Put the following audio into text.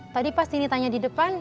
tadi pas ini tanya di depan